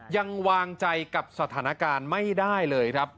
ยังวางใจกับสถานการณ์ไม่ได้เลยครับ